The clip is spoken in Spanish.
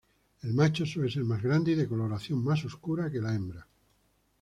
El macho suele ser más grande y de coloración más oscura que la hembra.